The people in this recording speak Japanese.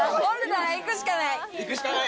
行くしかない！